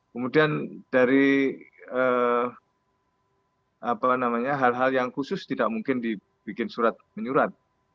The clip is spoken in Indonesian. kemudian dari hal hal yang khusus tidak mungkin dibikin surat menyurat